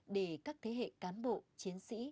để các thế hệ cán bộ chiến sĩ